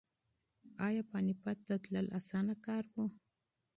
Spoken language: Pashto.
ایا پاني پت ته تلل اسانه کار و؟